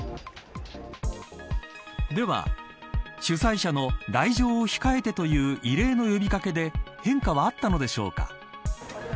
では主催者の来場を控えてという異例の呼び掛けで変化はあったのでしょうか。